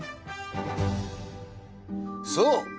そう！